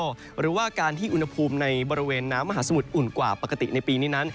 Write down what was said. หรือว่าการที่อุณหภูมิในบริเวณน้ำมหาสมุทรอุ่นกว่าปกติในปีนี้นั้น